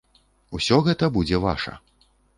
Усё гэта будзе ваша!